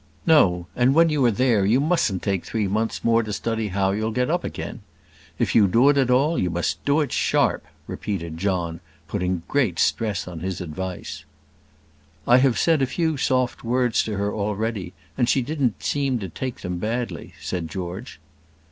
"No: and when you are there you mustn't take three months more to study how you'll get up again. If you do it at all, you must do it sharp," repeated John, putting great stress on his advice. "I have said a few soft words to her already, and she didn't seem to take them badly," said George.